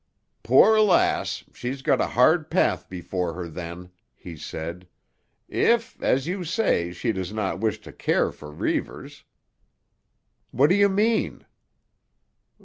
"Poor lass, she's got a hard path before her then," he said. "If, as you say, she does not wish to care for Reivers." "What do you mean?"